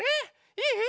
いい？